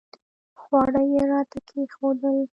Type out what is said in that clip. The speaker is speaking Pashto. خواړه یې راته کښېښودل.